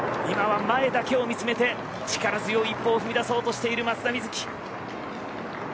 今は前だけを見つめて力強い一歩を踏み出そうとしている松田瑞生。